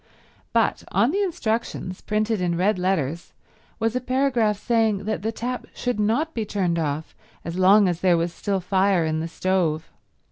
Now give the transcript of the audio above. But on the instructions, printed in red letters, was a paragraph saying that the tap should not be turned off as long as there was still fire in the stove.